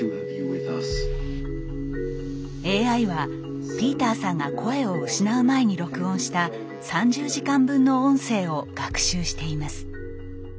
ＡＩはピーターさんが声を失う前に録音した３０時間分の音声を学習しています。